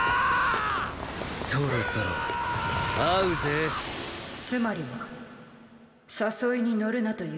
そろそろ合うぜつまりはーー誘いに乗るなということだ。